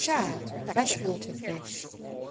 Shad (Fresh water fish) 22.